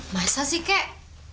masa sih kek